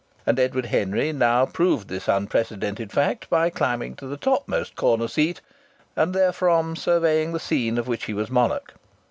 And Edward Henry now proved this unprecedented fact by climbing to the topmost corner seat and therefrom surveying the scene of which he was monarch.